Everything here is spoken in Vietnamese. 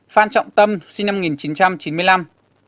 phan trọng tâm sinh năm một nghìn chín trăm chín mươi năm